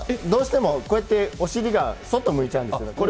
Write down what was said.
どうしてもこうやって、お尻が外を向いちゃうんですよ。